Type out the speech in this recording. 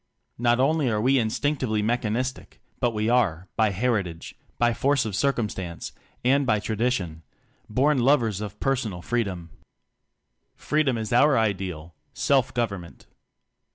Not only are we instinctively mechanistic, but we are by heritage, by force of circumstance, and by tra dition born lovers of personal free dom. Freedom is our ideal self government.